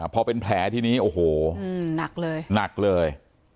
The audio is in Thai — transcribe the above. เพราะเป็นแผลที่นี้โอ้โหหนักเลย